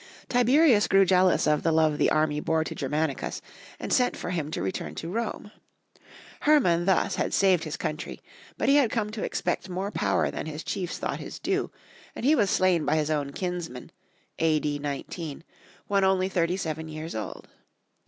Tiberius grew jealous of the love the army bore to Germanicus, and sent for him to return to Rome. Herman thus had saved his country, but he had come to expect more power than his chiefs thought his due, and he was slain by his own kinsmen, A.D. 19, when only thirty seven years old.